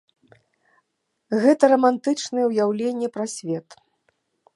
Гэта рамантычнае ўяўленне пра свет.